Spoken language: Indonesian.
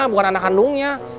bukan anak kandungnya